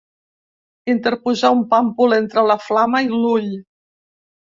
Interposar un pàmpol entre la flama i l'ull.